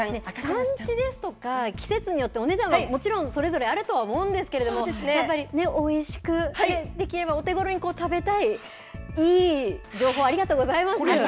産地ですとか、季節によってお値段はもちろん、それぞれあるとは思うんですけれども、やっぱりね、おいしく、できればお手ごろに食べたい、いい情報ありがとうございます。